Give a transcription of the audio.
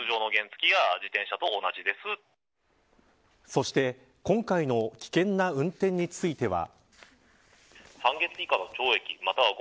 そして今回の危険な運転については。